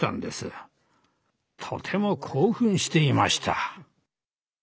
とても興奮していました。